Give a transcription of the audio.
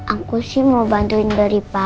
aku sih mau bantuin dari pagi